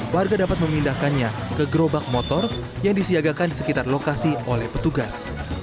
warga dapat memindahkannya ke gerobak motor yang disiagakan di sekitar lokasi oleh petugas